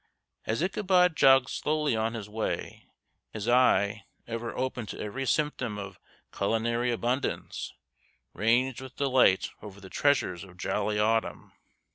As Ichabod jogged slowly on his way his eye, ever open to every symptom of culinary abundance, ranged with delight over the treasures of jolly Autumn.